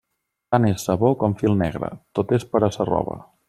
Tant és sabó com fil negre, tot és per a sa roba.